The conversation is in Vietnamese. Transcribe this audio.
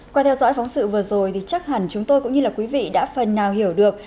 qua theo dõi phóng sự vừa rồi thì chắc hẳn chúng tôi cũng như là quý vị đã phần nào hiểu được